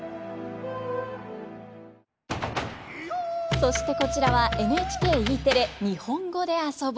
そしてこちらはＮＨＫＥテレ「にほんごであそぼ」。